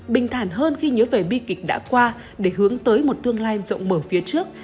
bình thản hơn khi nhớ về bi kịch đã qua để hướng tới một tương lai rộng mở phía trước